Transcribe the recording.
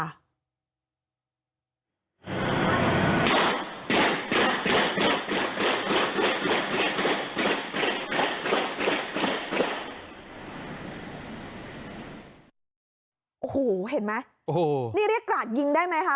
โอ้โหเห็นไหมโอ้โหนี่เรียกกราดยิงได้ไหมคะ